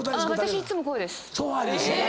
私いっつもこうです。